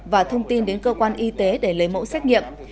và thông tin đến cơ quan y tế để lấy mẫu xét nghiệm